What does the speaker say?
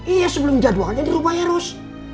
iya sebelum jadwalnya diubah eros